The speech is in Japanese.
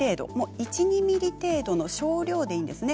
１、２ｍｍ程度の少量でいいんですね。